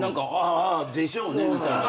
ああでしょうねみたいな。